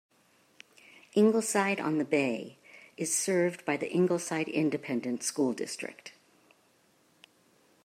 Ingleside on the Bay is served by the Ingleside Independent School District.